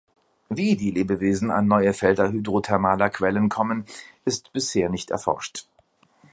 Wie die Lebewesen an neue Felder hydrothermaler Quellen kommen, ist bisher nicht erforscht.